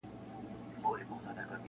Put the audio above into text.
یا دي کډه له خپل کوره بارومه-